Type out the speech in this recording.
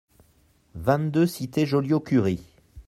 vingt-deux cité Joliot-Curie